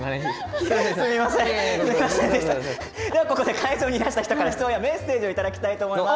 会場にいらした方から質問、メッセージいただきたいと思います。